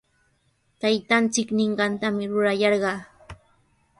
Taytanchik ninqantami rurayarqaa.